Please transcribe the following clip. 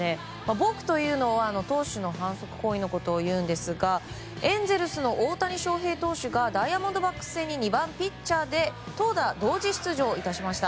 ボークというのは投手の反則行為のことをいうんですがエンゼルスの大谷翔平投手がダイヤモンドバックス戦に２番ピッチャーで投打同時出場致しました。